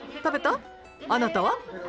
あなたは？